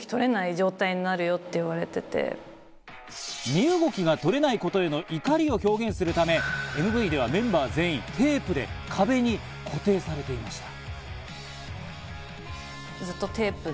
身動きが取れないことへの怒りを表現するためＭＶではメンバー全員テープで壁に固定されていました。